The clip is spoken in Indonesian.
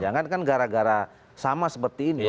jangan kan gara gara sama seperti ini